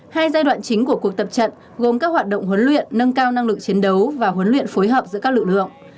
hai giai đoạn chính của cuộc tập trận gồm các hoạt động huấn luyện nâng cao năng lực chiến đấu và huấn luyện phối hợp giữa các lực lượng